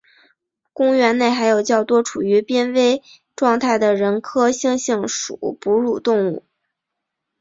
公园内还有较多处于濒危状态的人科猩猩属哺乳动物。